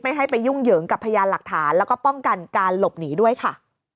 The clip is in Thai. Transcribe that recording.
ให้ไปยุ่งเหยิงกับพยานหลักฐานแล้วก็ป้องกันการหลบหนีด้วยค่ะ